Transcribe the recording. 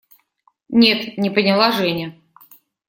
– Нет, – не поняла Женя.